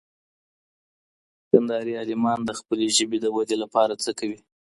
کندهاري عالمان د خپلې ژبې د ودې لپاره څه کوي؟